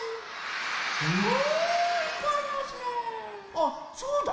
あっそうだ。